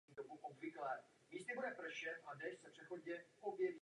Pouze Ondřej Moravec trénoval individuálně v České republice.